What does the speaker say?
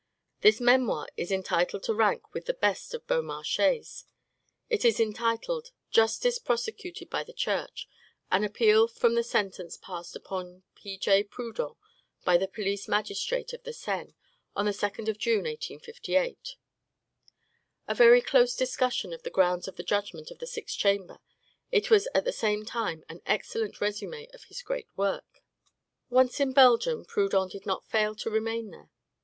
This memoir is entitled to rank with the best of Beaumarchais's; it is entitled: "Justice prosecuted by the Church; An Appeal from the Sentence passed upon P. J. Proudhon by the Police Magistrate of the Seine, on the 2d of June, 1858." A very close discussion of the grounds of the judgment of the sixth chamber, it was at the same time an excellent resume of his great work. Once in Belgium, Proudhon did not fail to remain there.